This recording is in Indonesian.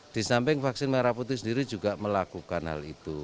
disamping vaksin merah putih sendiri juga melakukan hal itu